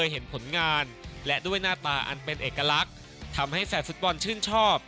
หน้าตาอันเป็นเอกลักษณ์ทำให้แฝดฟุตบอลชื่นชอบ